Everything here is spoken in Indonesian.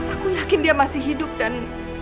aku yakin dia masih hidup dan